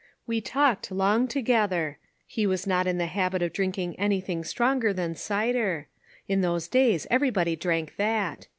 We talked long together. He was not in the habit of drinking any thing stronger than cider. In those days everybody drank that.